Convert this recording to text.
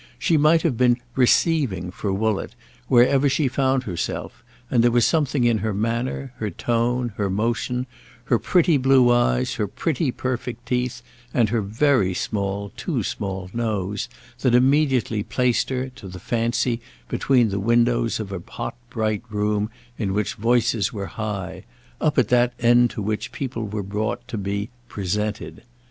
She might have been "receiving" for Woollett, wherever she found herself, and there was something in her manner, her tone, her motion, her pretty blue eyes, her pretty perfect teeth and her very small, too small, nose, that immediately placed her, to the fancy, between the windows of a hot bright room in which voices were high—up at that end to which people were brought to be "presented."